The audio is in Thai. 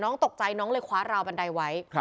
ตกใจน้องเลยคว้าราวบันไดไว้